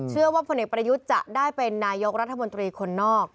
พลเอกประยุทธ์จะได้เป็นนายกรัฐมนตรีคนนอก